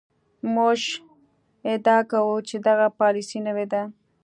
موږ ادعا کوو چې دغه پالیسي نوې ده.